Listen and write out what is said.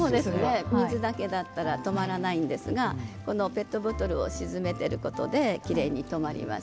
水だけだったら留まらないんですがペットボトルを沈めていることできれいに留まります。